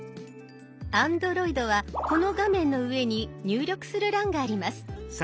Ａｎｄｒｏｉｄはこの画面の上に入力する欄があります。